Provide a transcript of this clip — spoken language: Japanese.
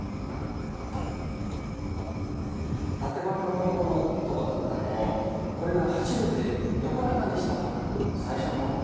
縦版の「こどものとも」だったのをこれが初めて横長にした本最初の本なんです。